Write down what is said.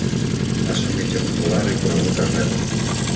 Va ser un metge popular i conegut arreu.